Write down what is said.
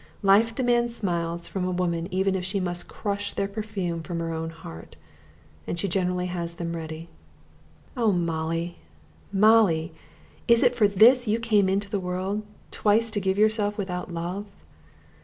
Life demands smiles from a woman even if she must crush their perfume from her own heart; and she generally has them ready. Oh, Molly, Molly, is it for this you came into the world, twice to give yourself without love?